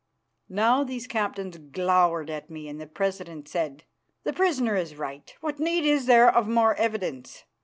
Now these captains glowered at me and the president said, "The prisoner is right. What need is there of more evidence?"